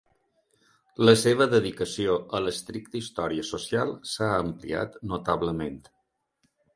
La seva dedicació a l'estricta història social s'ha ampliat notablement.